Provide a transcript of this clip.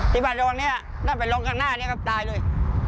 ที่บ้านตรงนี้น่าเป็นลงข้างหน้านี้ครับตายเลย